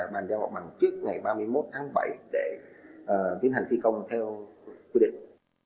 bàn giao hoạt mặt trước ngày ba mươi một tháng bảy để tiến hành thi công theo quy định